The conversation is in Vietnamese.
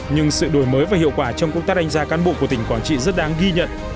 nhưng sự đổi mới và hiệu quả trong công tác đánh giá cán bộ của tỉnh quảng trị rất đáng ghi nhận